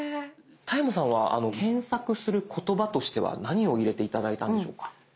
田山さんは検索する言葉としては何を入れて頂いたんでしょうか？